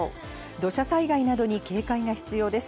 土砂災害などに警戒が必要です。